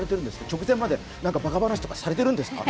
直前までばか話とかされているんですか？